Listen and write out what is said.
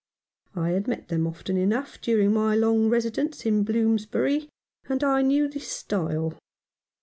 I had met them often enough during my long residence in Blooms bury, and I knew the style.